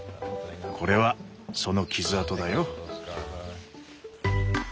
これはその傷痕だよ。